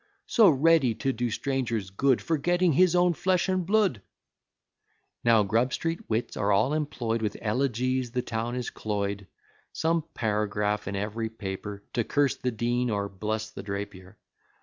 So ready to do strangers good, Forgetting his own flesh and blood!" Now, Grub Street wits are all employ'd; With elegies the town is cloy'd: Some paragraph in ev'ry paper To curse the Dean, or bless the Drapier.